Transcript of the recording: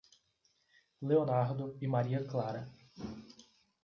Leonardo e Maria Clara